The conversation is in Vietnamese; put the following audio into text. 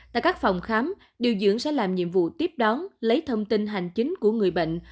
tại các phòng khám điều dưỡng sẽ làm nhiệm vụ tiếp đón lấy thông tin hành chính của người bệnh